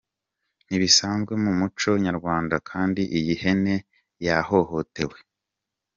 Ntibisanzwe mu muco nyarwanda kandi iyi hene yahohotewe.